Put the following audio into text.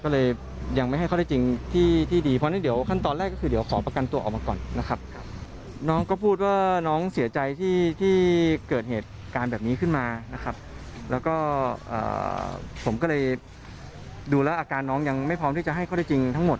แล้วก็ผมก็เลยดูแลอาการน้องยังไม่พร้อมที่จะให้เขาได้จริงทั้งหมด